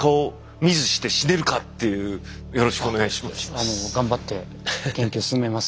よろしくお願いします。